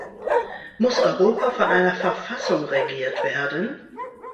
Muss Europa von einer Verfassung regiert werden?